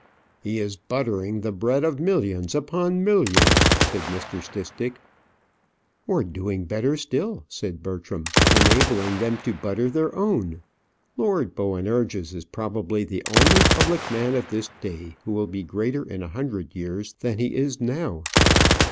"He is buttering the bread of millions upon millions," said Mr. Stistick. "Or doing better still," said Bertram; "enabling them to butter their own. Lord Boanerges is probably the only public man of this day who will be greater in a hundred years than he is now."